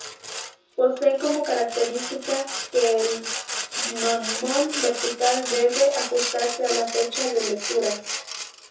Poseen como característica que el gnomon vertical debe ajustarse a la fecha de lectura.